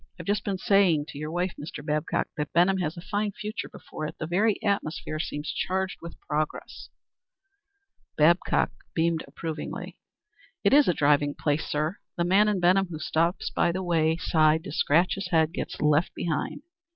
I've just been saying to your wife, Mr. Babcock, that Benham has a fine future before it. The very atmosphere seems charged with progress." Babcock beamed approvingly. "It's a driving place, sir. The man in Benham who stops by the way side to scratch his head gets left behind.